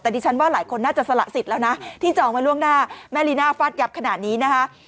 แต่ดิฉันว่าหลายคนน่าจะสละสิทธิ์แล้วนะที่จองไว้ล่วงหน้าแม่ลีน่าฟาดยับขนาดนี้นะคะ